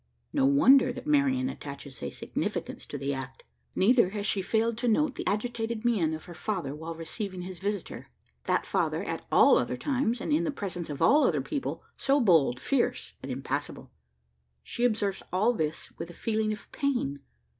No wonder that Marian attaches a significance to the act. Neither has she failed to note the agitated mien of her father while receiving his visitor that father, at all other times, and in the presence of all other people, so bold, fierce, and impassible! She observes all this with a feeling of pain.